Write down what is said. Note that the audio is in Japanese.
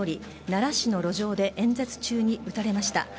奈良市の路上で演説中に撃たれました。